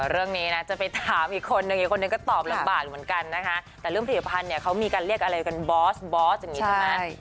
เรื่องนี้นะจะไปถามอีกคนนึงอีกคนนึงก็ตอบลำบากเหมือนกันนะคะแต่เรื่องผลิตภัณฑ์เนี่ยเขามีการเรียกอะไรกันบอสบอสอย่างนี้ใช่ไหม